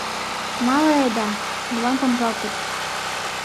— Мале айда, молан помыжалтыч?